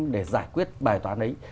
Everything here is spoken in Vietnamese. để giải quyết bài toán ấy